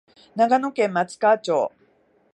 長野県松川町